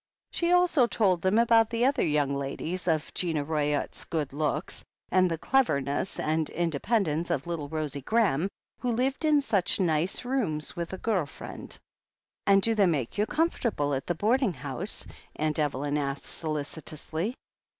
She also told them about the other young ladies, of Gina Ryott's good looks, and the cleverness and inde pendence of little Rosie Graham, who lived in such nice rooms with a girl friend. "And do they make you comfortable at the boarding house?" Aunt Evelyn asked solicitously.